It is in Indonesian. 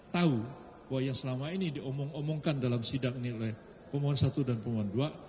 tahu bahwa yang selama ini diomong omongkan dalam sidang nilai pemohon satu dan permohon dua